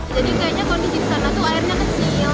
jadi kayaknya kondisi di sana tuh airnya kecil